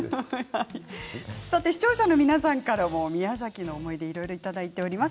視聴者の皆さんからも宮崎の思い出をいろいろいただいています。